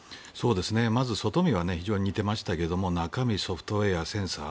まず、外見は非常に似ていましたけど中身、ソフトウェア、センサー。